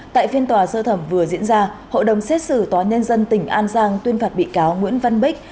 tại phiên tòa sơ thẩm vừa diễn ra hội đồng xét xử tòa nhân dân tỉnh an giang tuyên phạt bị cáo nguyễn văn bích